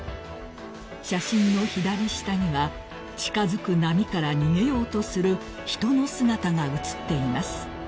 ［写真の左下には近づく波から逃げようとする人の姿が写っています］